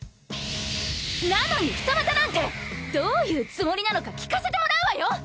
なのに二股なんてどういうつもりなのか聞かせてもらうわよ！